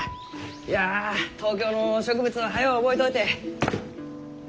いや東京の植物を早う覚えとうて。